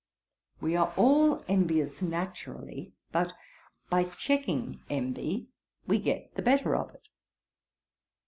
We are all envious naturally; but by checking envy, we get the better of it.